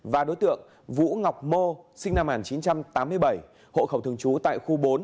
và đối tượng vũ ngọc mô sinh năm một nghìn chín trăm tám mươi bảy hộ khẩu thường trú tại khu bốn